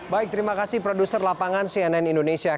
baik terima kasih produser lapangan cnn indonesia